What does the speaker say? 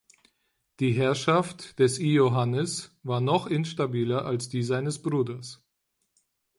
Die Herrschaft des Iohannes war noch instabiler als die seines Bruders.